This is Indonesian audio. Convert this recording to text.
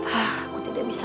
aku tidak bisa